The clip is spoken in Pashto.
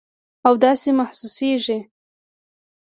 او داسې محسوسیږي